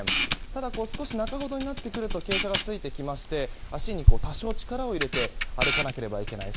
ただ、少し中ほどになってくると傾斜がついてきまして足に多少、力を入れて歩かなければいけない